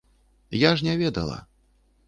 Я ж не ведала.